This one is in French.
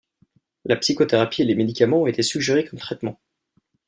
La psychothérapie et les médicaments ont été suggérés comme traitements.